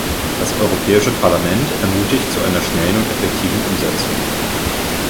Das Europäische Parlament ermutigt zu einer schnellen und effektiven Umsetzung.